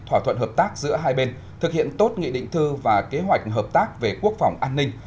thỏa thuận hợp tác giữa hai bên thực hiện tốt nghị định thư và kế hoạch hợp tác về quốc phòng an ninh